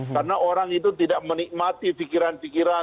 karena orang itu tidak menikmati pikiran pikiran tentang kenapa demokrasi itu lahir